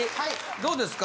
どうですか